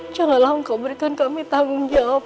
janganlah engkau berikan kami tanggung jawab